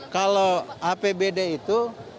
kalau apbd itu